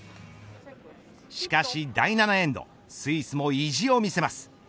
しかし第７エンドスイスも意地を見せます。